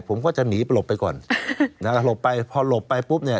ผมก็จะหนีหลบไปก่อนนะฮะหลบไปพอหลบไปปุ๊บเนี่ย